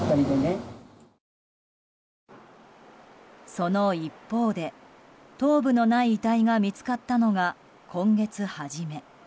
その一方で、頭部のない遺体が見つかったのが今月初め。